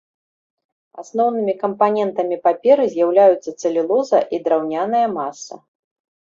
Асноўнымі кампанентамі паперы з'яўляюцца цэлюлоза і драўняная маса.